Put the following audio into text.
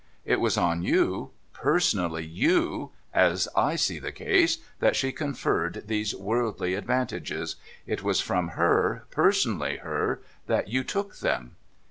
It was on you, personally you, as I see the case, that she conferred these worldly advantages ; it was from her, personally her, that you took them.'